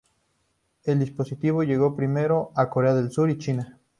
El dispositivo llegó primero a Corea del Sur y China.